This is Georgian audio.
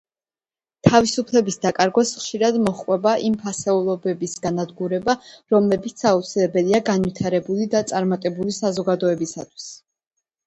თავისუფლების დაკარგვას ხშირად მოჰყვება იმ ფასეულობების განადგურება, რომლებიც აუცილებელია განვითარებული და წარმატებული საზოგადოებისთვის.